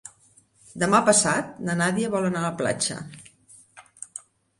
Demà passat na Nàdia vol anar a la platja.